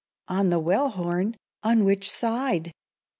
"On the Wellhorn! On which side?"